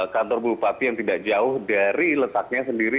kantor bupati yang tidak jauh dari letaknya sendiri